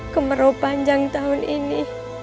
kemarau panjang tahun ini